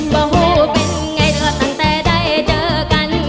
ก็หู้เป็นไงก็ตั้งแต่ได้เจอกัน